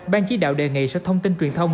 ban chí đạo đề nghị sẽ thông tin truyền thông